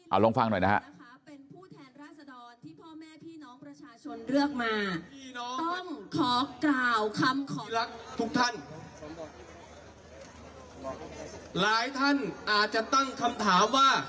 เอาลองฟังหน่อยนะฮะ